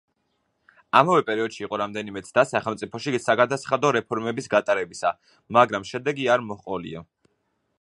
ამავე პერიოდში იყო რამდენიმე ცდა სახელმწიფოში საგადასახადო რეფორმების გატარებისა, მაგრამ შედეგი არ მოჰყოლია.